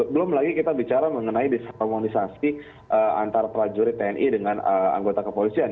belum lagi kita bicara mengenai diskromonisasi antara prajurit tni dengan anggota kepolisian